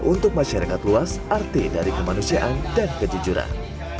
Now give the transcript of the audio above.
untuk masyarakat luas arti dari kemanusiaan dan kejujuran